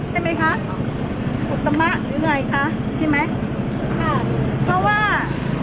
ใช่ไหมคะอุตมะหรือไงคะใช่ไหมค่ะเพราะว่า